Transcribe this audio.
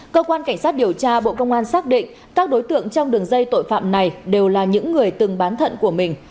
cơ quan cảnh sát điều tra bộ công an xác định các đối tượng trong đường dây tội phạm này đều là những người từng bán thận của mình